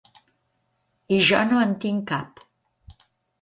I jo no en tinc cap.